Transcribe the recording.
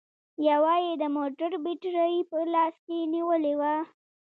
يوه يې د موټر بېټرۍ په لاس کې نيولې وه